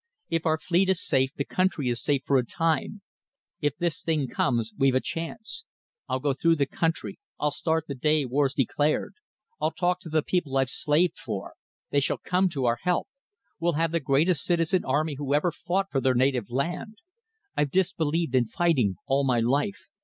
"If our fleet is safe, the country is safe for a time. If this thing comes, we've a chance. I'll go through the country. I'll start the day war's declared. I'll talk to the people I've slaved for. They shall come to our help. We'll have the greatest citizen army who ever fought for their native land. I've disbelieved in fighting all my life.